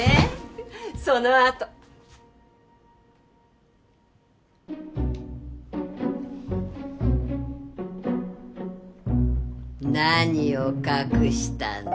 フフフそのあと何を隠したの？